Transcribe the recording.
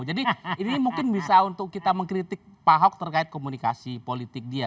jadi ini mungkin bisa untuk kita mengkritik pak ahok terkait komunikasi politik dia